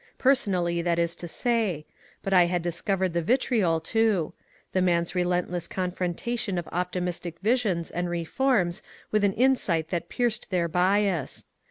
Personally, that is to say; but I had discovered the vitriol too — the man's relent less confrontation of optimistic visions and ^^ reforms " with an insight that pierced their bias.